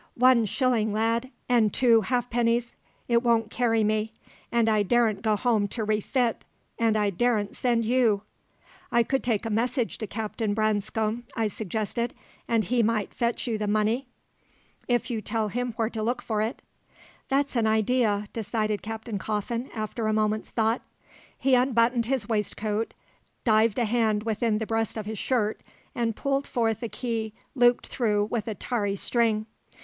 "One shilling, lad, an' two ha'pennies. It won't carry me. An' I daren' go home to refit; an' I daren' send you." "I could take a message to Captain Branscome," I suggested; "an' he might fetch you the money, if you tell him where to look for it." "That's an idea," decided Captain Coffin, after a moment's thought. He unbuttoned his waistcoat, dived a hand within the breast of his shirt, and pulled forth a key looped through with a tarry string.